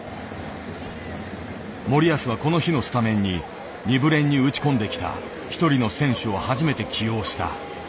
森保はこの日のスタメンに二部練に打ち込んできた１人の選手を初めて起用した。